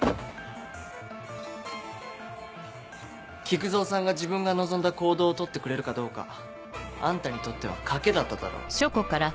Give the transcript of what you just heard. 菊蔵さんが自分が望んだ行動を取ってくれるかどうかあんたにとっては賭けだっただろう。